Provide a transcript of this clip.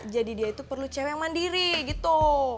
jadi dia itu perlu cewek mandiri gitu